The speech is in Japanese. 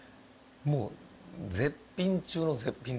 もう絶品中の絶品ですね。